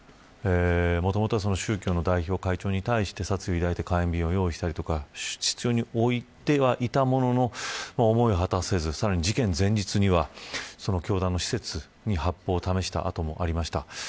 もともとは宗教の代表会長に対して殺意を抱いて火炎瓶を用意していたりとかしていたものの、思いを果たせず事件前日には教団の施設に発砲を試した痕もありました。